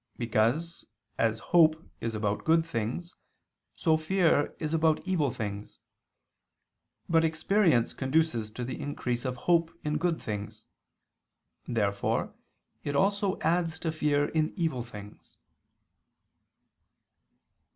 Because, as hope is about good things, so fear is about evil things. But experience conduces to the increase of hope in good things. Therefore it also adds to fear in evil things.